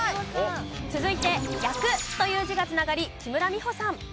続いて「役」という字が繋がり木村美穂さん。